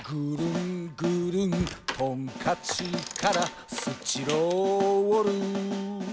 「トンカチからスチロール」